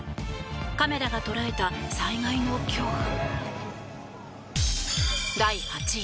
カメラが捉えた災害の恐怖。